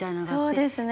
そうですね。